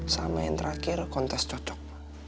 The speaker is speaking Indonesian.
sama yang terakhir kontes cocok